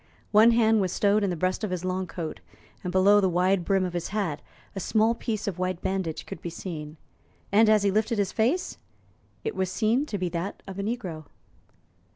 One hand was stowed in the breast of his long coat, and below the wide brim of his hat a small piece of white bandage could be seen; and, as he lifted his face, it was seen to be that of a negro.